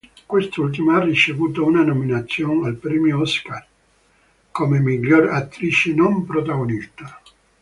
Quest'ultima ha ricevuto una nomination al Premio Oscar come miglior attrice non protagonista.